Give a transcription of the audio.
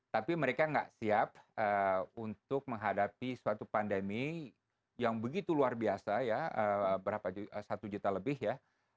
tapi mereka nggak siap untuk menghadapi suatu pandemi yang begitu luar biasa ya satu juta lebih ya